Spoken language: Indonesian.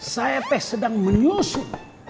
saya teh sedang menyusun